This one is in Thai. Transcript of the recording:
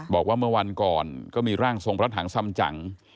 บอกว่าเมื่อวันก่อนก็มีร่างทรงพระถังสำจัง